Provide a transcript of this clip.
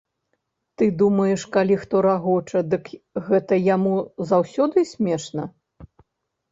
Ты думаеш, калі хто рагоча, дык гэта яму заўсёды смешна?!